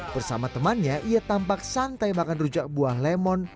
bersama temannya ia tampak santai makan rujak buah lemon